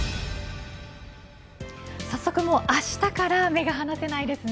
早速もうあしたから目が離せないですね。